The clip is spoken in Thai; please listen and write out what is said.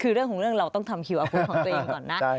คือเรื่องของเรื่องเราต้องทำคิวอาคุกของตัวเองก่อนนะ